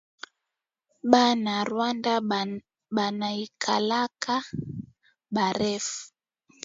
Ba na rwanda banaikalaka ba refu